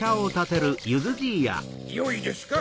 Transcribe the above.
よいですか？